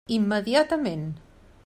Immediatament.